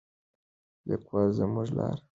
لیکوال زموږ لپاره یو ښه الګو دی.